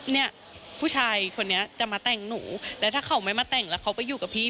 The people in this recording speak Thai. เนี่ยผู้ชายคนนี้จะมาแต่งหนูแล้วถ้าเขาไม่มาแต่งแล้วเขาไปอยู่กับพี่